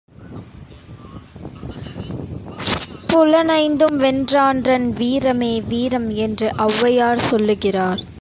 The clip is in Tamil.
புலனைந்தும் வென்றான்றன் வீரமே வீரம் என்று ஒளவையார் சொல்லுகிறார்.